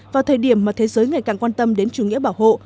vào thời điểm mà thế giới ngày càng quan tâm đến chủ nghĩa bảo hộ